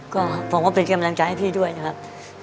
ก็ผมก็เป็นกำลังใจให้พี่ด้วยนะครับ